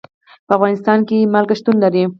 په افغانستان کې نمک شتون لري.